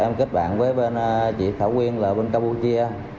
em kết bạn với bên chị thảo quyên là bên campuchia